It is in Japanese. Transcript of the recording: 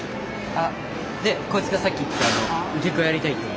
でこいつがさっき言ってたあの受け子やりたいって。